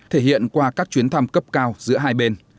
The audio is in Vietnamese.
thể hiện qua các chuyến thăm cấp cao giữa hai bên